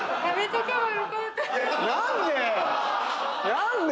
何で？